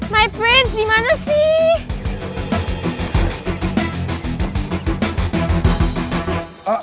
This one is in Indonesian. my prince dimana sih